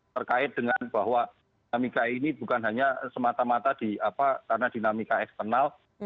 terkait dengan bahwa dinamika ini bukan hanya semata mata karena dinamika eksternal